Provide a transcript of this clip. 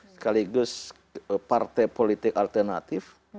sekaligus partai politik alternatif